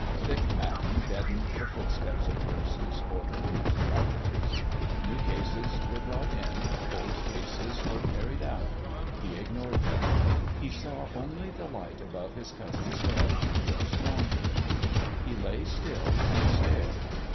Thick matting deadened the footsteps of nurses, orderlies, doctors. New cases were brought in, "old" cases were carried out; he ignored them; he saw only the light above his cousin's bed grow stronger. He lay still and stared.